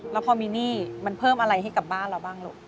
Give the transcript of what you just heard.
แล้วพอมีหนี้มันเพิ่มอะไรให้กับบ้านเราบ้างลูก